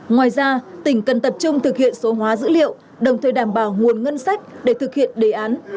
ngoài ra tỉnh cần tập trung thực hiện số hóa dữ liệu đồng thời đảm bảo nguồn ngân sách để thực hiện đề án